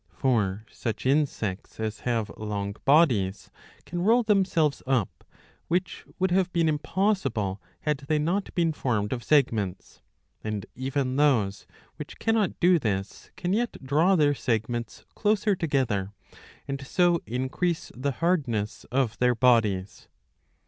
For such insects as have long bodies can roll themselves up,''' which would have been impossible, had they not been formed of segments ; and even those which cannot do this can yet draw their segments closer together, and so increase the hardness of their bodies.